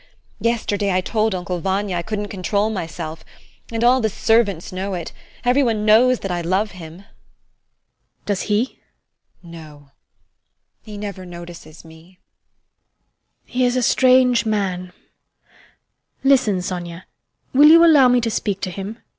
Yesterday I told Uncle Vanya I couldn't control myself, and all the servants know it. Every one knows that I love him. HELENA. Does he? SONIA. No, he never notices me. HELENA. [Thoughtfully] He is a strange man. Listen, Sonia, will you allow me to speak to him?